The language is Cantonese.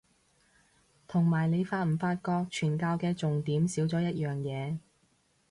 同埋你發唔發覺傳教嘅重點少咗一樣嘢